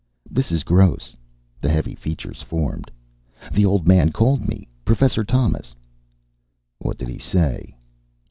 "This is Gross." The heavy features formed. "The old man called me. Professor Thomas." "What did he say?"